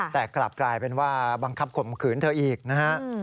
แต่กลับกลายเป็นว่าบังคับข่มขืนเธออีกนะฮะ